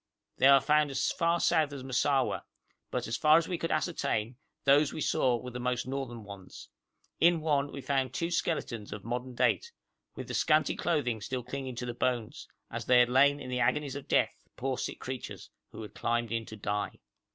They are found as far south as Massawa, but as far as we could ascertain those we saw were the most northern ones. In one we found two skeletons of modern date, with the scanty clothing still clinging to the bones, as they had lain in the agonies of death, poor sick creatures, who had climbed in to die.